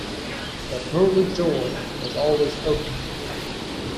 But Murli's door was always open.